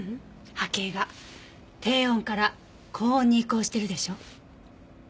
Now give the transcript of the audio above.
波形が低音から高音に移行してるでしょ？